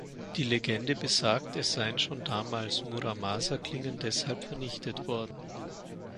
Die Legende besagt, es seien schon damals Muramasa-Klingen deshalb vernichtet worden.